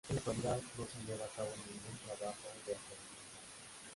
En la actualidad no se lleva a cabo ningún trabajo de aprovechamiento.